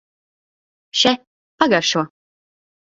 Še, pagaršo!